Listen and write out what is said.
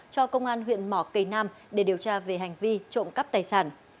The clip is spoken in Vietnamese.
cho công an huyện mỏ cầy nam để điều tra về hành vi trộm cắp tài sản